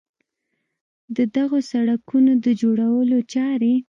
د دغو سړکونو د جوړولو چارې